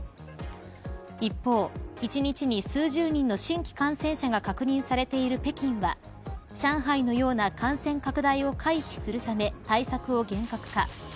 一方、一日に数十人の新規感染者が確認されている北京は上海のような感染拡大を回避するため対策を厳格化。